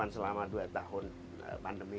selama dua tahun pandemi